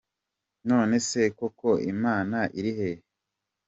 None se koko Imana iri he?.